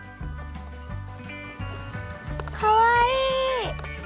かわいい。